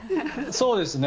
そうですね。